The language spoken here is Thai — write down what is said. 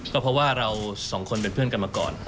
ก็เพราะว่าเราสองคนเป็นเพื่อนกันมาก่อน